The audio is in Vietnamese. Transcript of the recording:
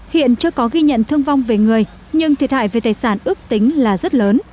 hiện chưa có ghi nhận thương vong về người nhưng thiệt hại về tài sản ước tính là rất lớn